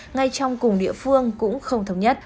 ngay trong cùng địa phương cũng không thống nhất